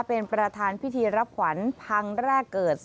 เป็นประธานพิธีรับขวัญพังแรกเกิด